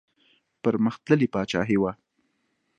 پرمختللې پاچاهي وه.